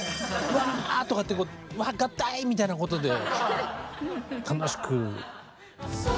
わあとかってこうわあ合体みたいなことで楽しく。